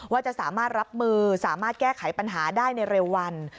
ว่าจะสามารถรับมือสามารถแก้ไขปัญหาได้ในเร็ววัน